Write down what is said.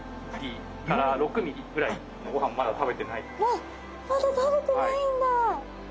わっまだ食べてないんだ。